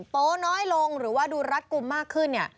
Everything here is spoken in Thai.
โป๊น้อยลงหรือว่าดูรัดกลุ่มมากขึ้นเนี่ย